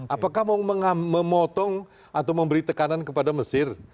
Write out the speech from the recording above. apakah mau memotong atau memberi tekanan kepada mesir